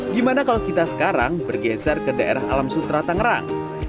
gimana kalau kita sekarang bergeser ke daerah alam sutra tangerang